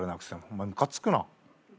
お前ムカつくな。